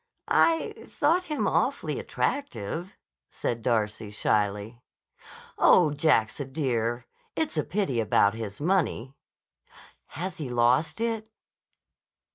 "I thought him awfully attractive," said Darcy shyly. "Oh, Jack's a dear. It's a pity about his money." "Has he lost it?"